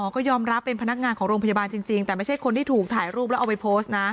ก็ยอมรับเป็นพนักงานของโรงพยาบาลจริงแต่ไม่ใช่คนที่ถูกถ่ายรูปแล้วเอาไปโพสต์นะ